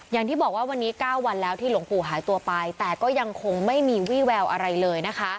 อย่างที่บอกว่าวันนี้๙วันแล้วที่หลวงปู่หายตัวไปแต่ก็ยังคงไม่มีวี่แววอะไรเลยนะคะ